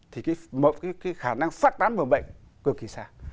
thì cái khả năng phát tán mầm bệnh cực kỳ xa